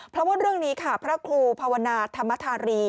เพราะว่าเรื่องนี้ค่ะพระครูภาวนาธรรมธารี